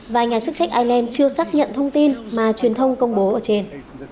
và nhà chức trách ireland chưa xác nhận thông tin mà truyền thông công bố ở trên